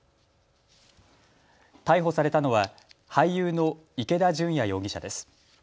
逮捕されたのは俳優の池田純矢容疑者です。